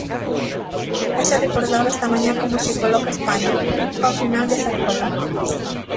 Xa se recordaba esta mañá como se coloca España: ao final desa cola.